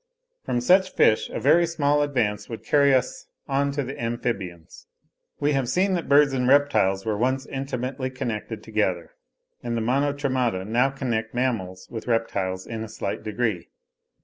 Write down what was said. From such fish a very small advance would carry us on to the Amphibians. We have seen that birds and reptiles were once intimately connected together; and the Monotremata now connect mammals with reptiles in a slight degree.